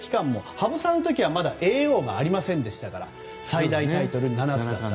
羽生さんの時はまだ叡王がありませんでしたから最大のタイトル７つだった。